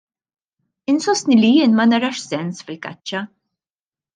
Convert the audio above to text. Insostni li jien ma narax sens fil-kaċċa.